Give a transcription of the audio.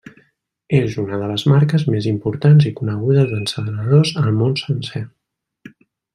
És una de les marques més importants i conegudes d'encenedors al món sencer.